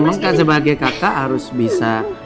memang kak sebagai kakak harus bisa